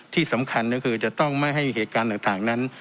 ที่สำคัญก็คือจะต้องไม่ให้เหตุการณ์ต่างนั้น